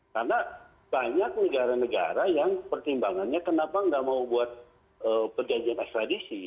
karena banyak negara negara yang pertimbangannya kenapa gak mau buat perjanjian ekstradisi